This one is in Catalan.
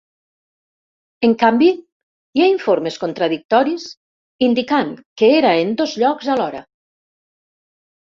En canvi, hi ha informes contradictoris, indicant que era en dos llocs alhora.